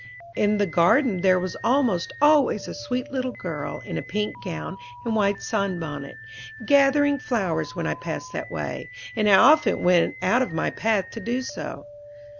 In the garden there was almost always a sweet little girl in a pink gown and white sunbonnet gathering flowers when I passed that way, and I often went out of my path to do so.